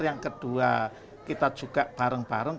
yang kedua kita juga bareng bareng